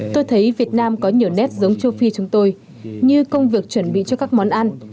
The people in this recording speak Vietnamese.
tôi thấy việt nam có nhiều nét giống châu phi chúng tôi như công việc chuẩn bị cho các món ăn